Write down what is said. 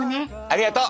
ありがと！